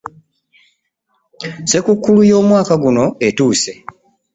Ssekukulu yo mwoka guno etuuse.